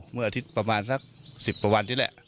เมื่ออาทิตย์ประมาณสัก๑๐กว่าวันที่แหละ